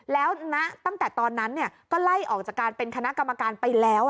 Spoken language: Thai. แล้วตั้งแต่ตอนนั้นก็ไล่ออกจากการเป็นคณะกรรมการไปแล้ว